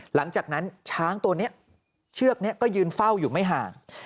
หลังจากนั้นช้างตัวนี้เชือกนี้ก็ยืนเฝ้าอยู่ไม่ห่าง